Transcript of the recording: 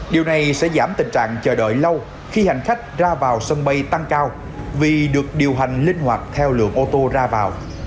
điều này sẽ giảm tình trạng chờ đợi lâu khi hành khách ra vào sân bay tăng cao vì được điều hành linh hoạt theo lượng ô tô ra vào